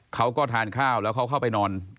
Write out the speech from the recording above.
เขาก็ทานข้าวแล้วเขาเข้าไปนอน